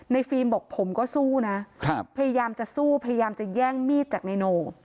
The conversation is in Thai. ฟิล์มบอกผมก็สู้นะพยายามจะสู้พยายามจะแย่งมีดจากนายโน